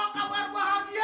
kita membawa kabar bahagia